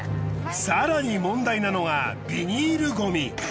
更に問題なのがビニールゴミ。